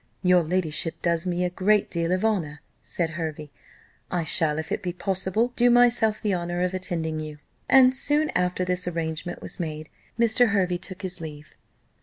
"Your ladyship does me a great deal of honour," said Hervey: "I shall, if it be possible, do myself the honour of attending you." And soon after this arrangement was made, Mr. Hervey took his leave.